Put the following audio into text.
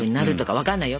分かんないよ？